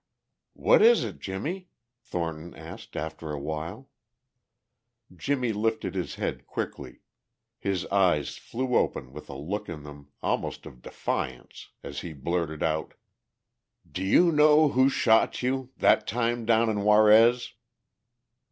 "What is it, Jimmie?" Thornton asked after a while. Jimmie lifted his head quickly, his eyes flew open with a look in them almost of defiance as he blurted out: "Do you know who shot you ... that time down in Juarez?"